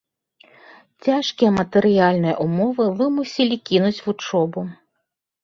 Цяжкія матэрыяльныя ўмовы вымусілі кінуць вучобу.